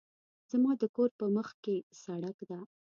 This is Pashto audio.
زما د کور په مخکې سړک ده